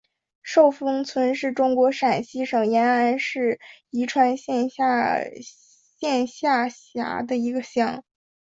寿峰乡是中国陕西省延安市宜川县下辖的一个乡。